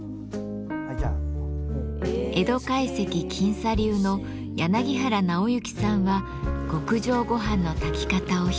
江戸懐石近茶流の柳原尚之さんは極上ごはんの炊き方を披露。